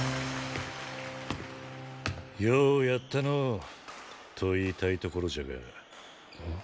ようやったのぉと言いたいところじゃが。